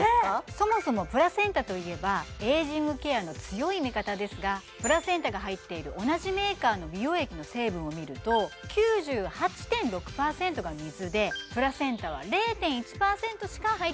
そもそもプラセンタといえばエイジングケアの強い味方ですがプラセンタが入っている同じメーカーの美容液の成分を見ると９８．６％が水でプラセンタは０．１％しか入っていません